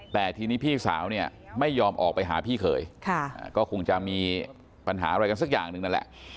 แต่ทีนี้พี่สาวเนี่ยไม่ยอมออกไปหาพี่เขยก็คงจะมีปัญหาอะไรกันสักอย่างหนึ่งนั่นแหละ